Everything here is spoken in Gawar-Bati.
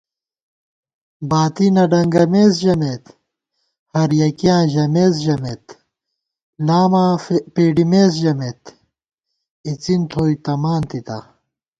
باتی نہ ڈنگَمېس ژمېت، ہریَکِیاں ژمېس ژمېت * لاماں پېڈِمېس ژمېت، اِڅِن تھوئی تمان تِتا